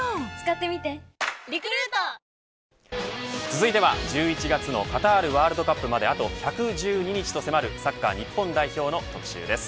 続いては１１月のカタールワールドカップまであと１１２日と迫るサッカー日本代表の特集です。